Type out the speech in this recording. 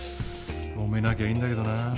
揉めなきゃいいんだけどな。